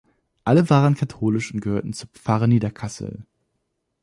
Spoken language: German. Alle waren katholisch und gehörten zur Pfarre Niederkassel.